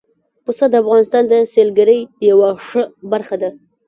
پسه د افغانستان د سیلګرۍ یوه ښه برخه ده.